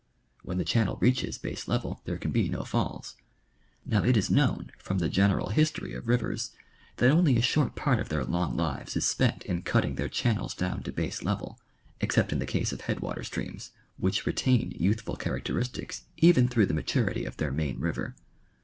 When the channel reaches base level there can be no> falls. Now it is known from the general history of rivers that only a short part of their long lives is spent in cutting their chan nels down to base level, except in the case of headwater streams,, which retain youthful characteristics even through the" maturity of their main river.